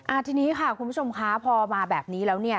ทีนี้ค่ะคุณผู้ชมคะพอมาแบบนี้แล้วเนี่ย